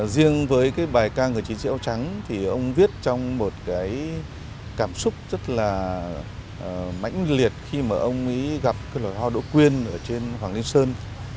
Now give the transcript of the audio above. riêng với bài ca người chiến sĩ áo trắng ông viết trong một cảm xúc rất là mãnh liệt khi ông gặp hoa đỗ quyên trên hoàng liên sơn